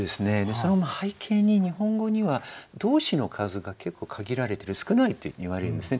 その背景に日本語には動詞の数が結構限られてる少ないっていわれるんですね。